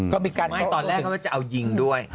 ตอนแรกเขาจะเอายิงด้วย